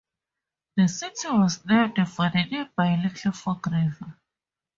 The city was named for the nearby Little Fork River.